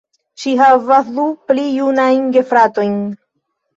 Ŝi havas du pli junajn gefratojn.